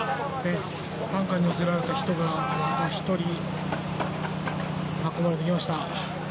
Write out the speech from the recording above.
担架に乗せられた１人がまた１人運ばれてきました。